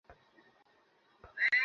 মগীগুলো ভালো হলেই সব ভালো।